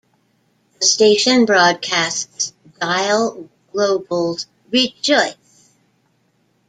The station broadcasts Dial Global's Rejoice!